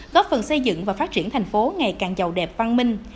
góp phần xây dựng và phát triển thành phố ngày càng giàu đẹp văn minh